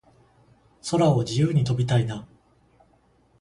空を自由に飛びたいな